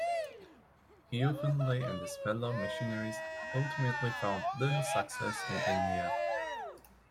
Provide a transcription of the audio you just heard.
Hugh Findlay and his fellow missionaries ultimately found little success in India.